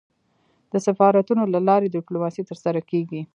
د سفارتونو له لاري ډيپلوماسي ترسره کېږي.